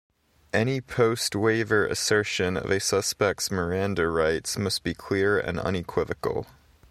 Any post-waiver assertion of a suspect's Miranda rights must be clear and unequivocal.